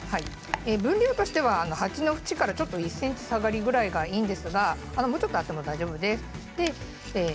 分量としては鉢の縁から１ｃｍ下がりぐらいですがもうちょっとあっても大丈夫です。